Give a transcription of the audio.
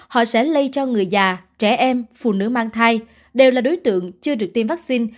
họ sẽ lây cho người già trẻ em phụ nữ mang thai đều là đối tượng chưa được tiêm vaccine